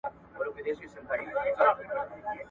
تولستوی د خپلو اثارو له لارې په تاریخ کې ابدي شو.